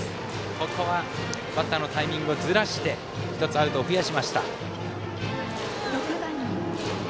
ここはバッターのタイミングをずらして１つアウトを減らしました。